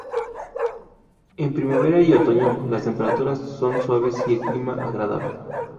En primavera y otoño las temperaturas son suaves y el clima agradable.